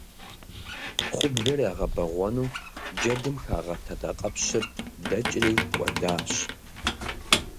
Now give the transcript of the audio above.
Хъубжэр ягъэбэгъуэну джэдым хагъэт адакъэпщыр дэкӏри кӏуэдащ.